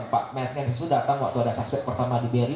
pak mas nenis itu datang waktu ada suspek pertama diberi